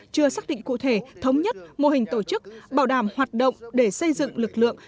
chưa xác định cụ thể thống nhất mô hình tổ chức bảo đảm hoạt động để xây dựng lực lượng